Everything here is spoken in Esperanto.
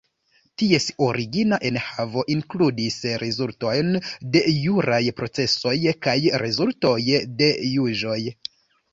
Ties origina enhavo inkludis rezultojn de juraj procesoj kaj rezultoj de juĝoj.